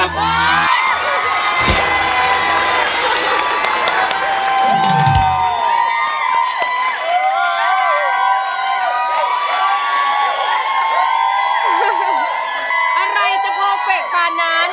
อะไรจะโพรเฟคปานั้น